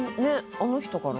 あの人かな？